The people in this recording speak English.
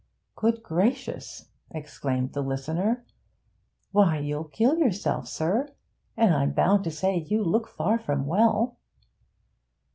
'Good gracious!' exclaimed the listener. 'Why, you'll kill yoursel, sir. And I'm bound to say, you look far from well.'